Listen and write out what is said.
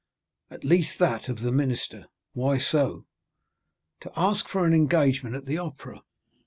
"At least that of the minister." "Why so!" "To ask for an engagement at the Opera.